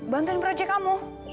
bantuin proyek kamu